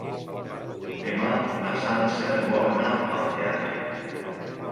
Demà na Sança vol anar al teatre.